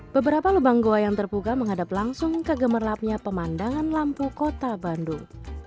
beberapa lubang goa yang terbuka menghadap langsung ke gemerlapnya pemandangan lampu kota bandung